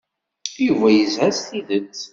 Yuba yezha s tidet.